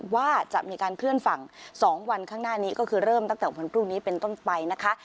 ว่าจะมีการเคลื่อนฝั่ง๒วันข้างหน้านี้ก็คือเริ่มตั้งแต่วันพรุ่งนี้เป็นต้นไปนะคะ